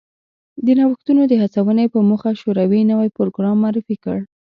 د نوښتونو د هڅونې په موخه شوروي نوی پروګرام معرفي کړ